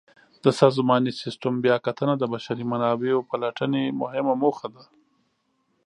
د سازماني سیسټم بیاکتنه د بشري منابعو پلټنې مهمه موخه ده.